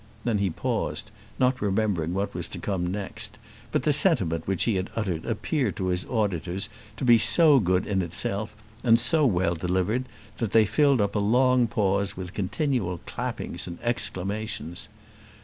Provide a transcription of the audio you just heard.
Then he paused, not remembering what was to come next; but the sentiment which he had uttered appeared to his auditors to be so good in itself and so well delivered, that they filled up a long pause with continued clappings and exclamations.